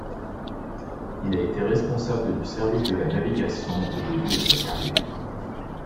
Il a été responsable du service de la navigation au début de sa carrière.